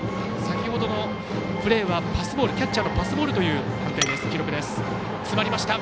先ほどのプレーはキャッチャーのパスボールという記録です。